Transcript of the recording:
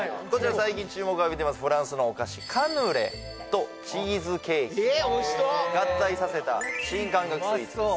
最近注目を浴びていますフランスのお菓子カヌレとチーズケーキ合体させた新感覚スイーツです